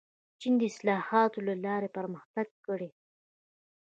چین د اصلاحاتو له لارې پرمختګ کړی.